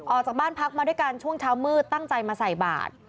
ออกจากบ้านพักมาด้วยกันช่วงเช้ามืดตั้งใจมาใส่บาท